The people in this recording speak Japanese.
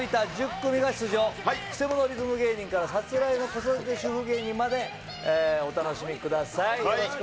曲者リズム芸人から、さすらいの子育て主婦芸人までお楽しみください。